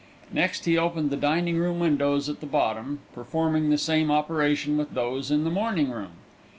Next he opened the dining room windows at the bottom, performing the same operation with those in the morning room.